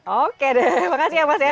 oke deh makasih ya mas ya